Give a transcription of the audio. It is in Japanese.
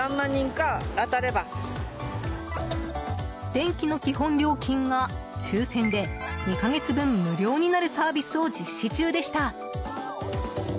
電気の基本料金が、抽選で２か月分無料になるサービスを実施中でした。